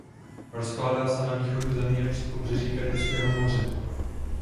Rozkládá se na východu země při pobřeží Karibského moře.